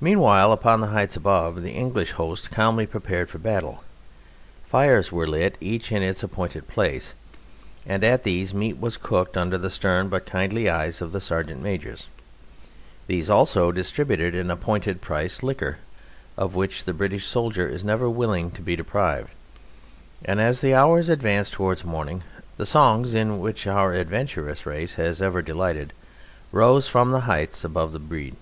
Meanwhile, upon the heights above, the English host calmly prepared for battle. Fires were lit each in its appointed place, and at these meat was cooked under the stern but kindly eyes of the sergeant majors. These also distributed at an appointed price liquor, of which the British soldier is never willing to be deprived, and as the hours advanced towards morning, the songs in which our adventurous race has ever delighted rose from the heights above the Brede.